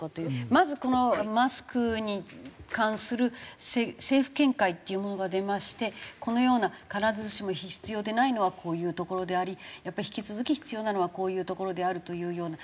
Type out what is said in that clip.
まずこのマスクに関する政府見解っていうものが出ましてこのような必ずしも必要でないのはこういうところでありやっぱり引き続き必要なのはこういうところであるというような。